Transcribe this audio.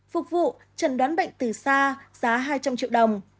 phục vụ trần đoán bệnh từ xa giá hai trăm linh triệu đồng